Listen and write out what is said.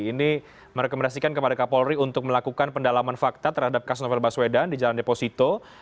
ini merekomendasikan kepada kapolri untuk melakukan pendalaman fakta terhadap kasus novel baswedan di jalan deposito